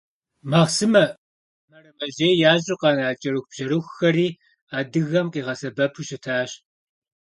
Махъсымэ, мэрэмэжьей ящӀу къэна кӀэрыхубжьэрыхухэри адыгэм къигъэсэбэпу щытащ.